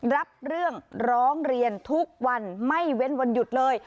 รับเรื่องร้องเรียนทุกวันไม่เว้นวันหยุดเลย